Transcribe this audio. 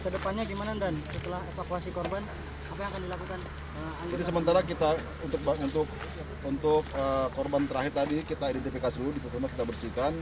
jadi sementara kita untuk korban terakhir tadi kita identifikasi dulu dipercuma kita bersihkan